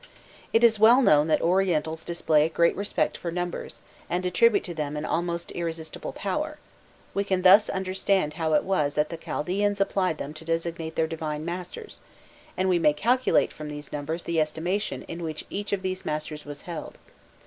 It is well known that Orientals display a great respect for numbers, and attribute to them an almost irresistible power; we can thus understand how it was that the Chaldaeans applied them to designate their divine masters, and we may calculate from these numbers the estimation in which each of these masters was held.